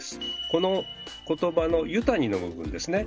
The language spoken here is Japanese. この言葉の「湯谷」の部分ですね。